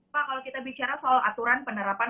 pak kalau kita bicara soal aturan penerapan